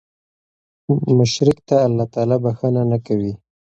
مشرک ته الله تعالی بخښنه نه کوي